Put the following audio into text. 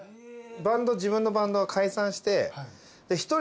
自分のバンドが解散して。